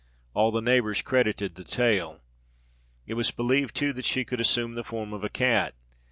All the neighbours credited the tale. It was believed, too, that she could assume the form of a cat.